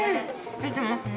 出てますね。